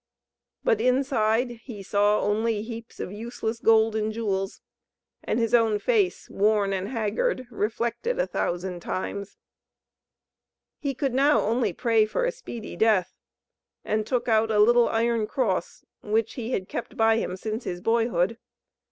But inside he saw only heaps of useless gold and jewels, and his own face, worn and haggard, reflected a thousand times. He could now only pray for a speedy death, and took out a little iron cross, which he had kept by him since his boyhood.